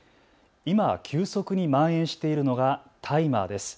今、急速にまん延しているのが大麻です。